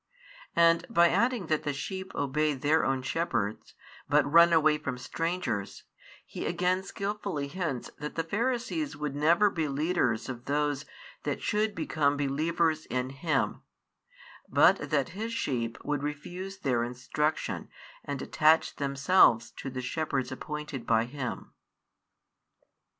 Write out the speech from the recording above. And by adding that the sheep obey their own shepherds, but run away from strangers, He again skilfully hints that the Pharisees would never be leaders of those that should become believers in Him, but that His sheep would refuse their instruction and attach themselves to the shepherds appointed by Him.